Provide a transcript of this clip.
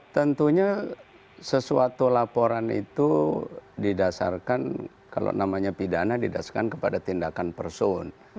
tentunya sesuatu laporan itu didasarkan kalau namanya pidana didasarkan kepada tindakan person